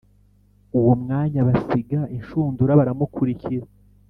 Uwo mwanya basiga inshundura baramukurikira.